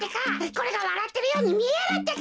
これがわらってるようにみえるってか？